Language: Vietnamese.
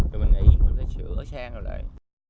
rồi mình nghĩ mình sẽ sửa sang rồi lại